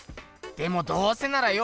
でもどうせならよ